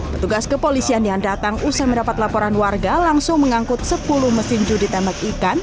petugas kepolisian yang datang usai mendapat laporan warga langsung mengangkut sepuluh mesin judi tembak ikan